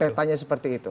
petanya seperti itu